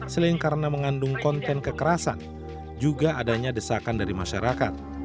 selain karena mengandung konten kekerasan juga adanya desakan dari masyarakat